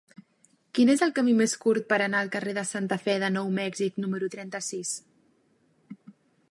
Quin és el camí més curt per anar al carrer de Santa Fe de Nou Mèxic número trenta-sis?